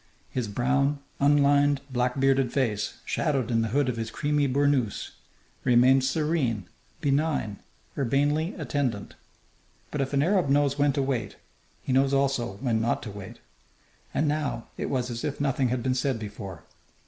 His brown, unlined, black bearded face, shadowed in the hood of his creamy burnoose, remained serene, benign, urbanely attendant. But if an Arab knows when to wait, he knows also when not to wait. And now it was as if nothing had been said before.